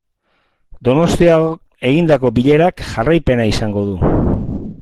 Donostian egindako bilerak jarraipena izango du.